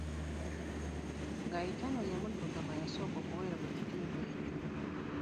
Gayitano mu ye muddugavu eyasooka okuweebwa ekitiibwa ekyo.